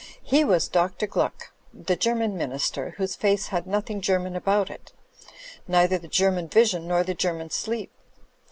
He was Dr. Gluck, the German Minister, whose face had nothing German about it; neither the German vision nor the German sleep.